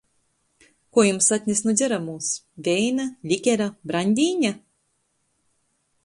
Kuo jums atnest nu dzeramūs: veina, likera, braņdīņa?